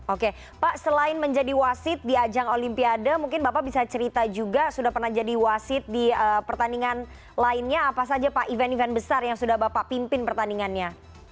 oke pak selain menjadi wasit di ajang olimpiade mungkin bapak bisa cerita juga sudah pernah jadi wasit di pertandingan lainnya apa saja pak event event besar yang sudah bapak pimpin pertandingannya